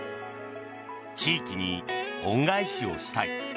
地域に恩返しをしたい。